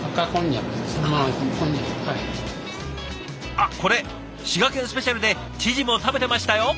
あっこれ「滋賀県スペシャル」で知事も食べてましたよ。